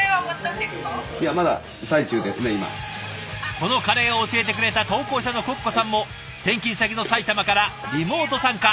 このカレーを教えてくれた投稿者のコッコさんも転勤先の埼玉からリモート参加。